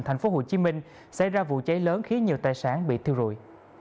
thành phố hồ chí minh xảy ra vụ cháy lớn khiến nhiều tài sản bị thiêu rụi